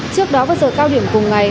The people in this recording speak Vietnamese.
trước đó vào giờ cao điểm cùng ngày